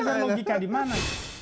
kamu belajar logika di mana